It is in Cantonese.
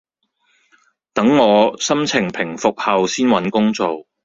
等我心情平復後先搵工做